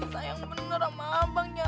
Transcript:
sayang bener sama abangnya